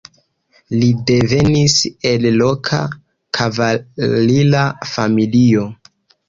Li devenis el loka kavalira familio.